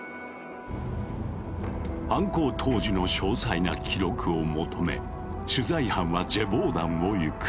犯行当時の詳細な記録を求め取材班はジェヴォーダンを行く。